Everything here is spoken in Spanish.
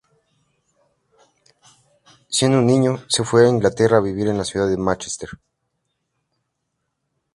Siendo un niño, se fue a Inglaterra a vivir en la ciudad de Mánchester.